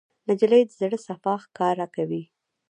نجلۍ د زړه صفا ښکاره کوي.